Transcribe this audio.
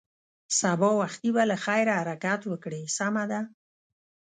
سبا وختي به له خیره حرکت وکړې، سمه ده.